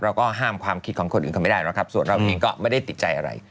เราก็ห้ามความคิดของคนอื่นเขาไม่ได้หรอกครับส่วนเราเองก็ไม่ได้ติดใจอะไร